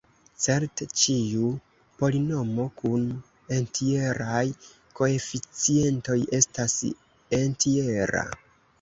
Certe ĉiu polinomo kun entjeraj koeficientoj estas entjera.